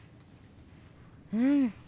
うん。